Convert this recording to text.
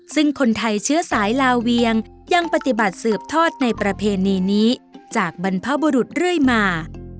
ซึ่งคนไทยเชื้อสายลาเวียงยังปฏิบัติสืบทอดในประเพณีนี้จากบรรพบุรุษเรื่อยมา